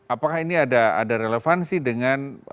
apakah ini ada relevansi dengan